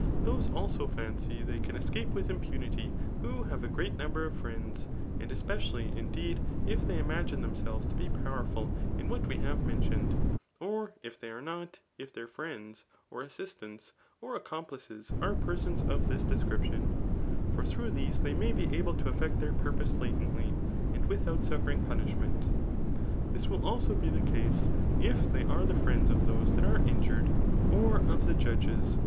Those» also, fimqr they can escape with impunity, who have a great number of friends, aod e^edally, mdeed, if they imaguie themselves to be powerful in what we have m e n t ion e d j or if they ase nel^ if their fnends» or assistants, or accomplices are peimas of this description, ^or through these they may be aUp to effiect their purpose latently, and without suffering punishment. This will also be the case, if they are thf friends of those that are injured, or of the judges.